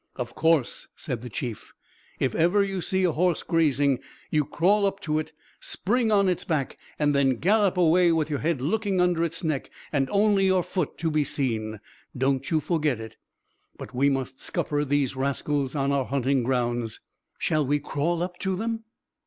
"Of course," said the Chief. "If ever you see a horse grazing, you crawl up to it, spring on its back and then gallop away with your head looking under its neck and only your foot to be seen. Don't you forget it. But we must scupper these rascals on our hunting grounds." "Shall we crawl up to them?"